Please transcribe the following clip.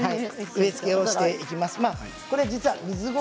植え付けをしていきます。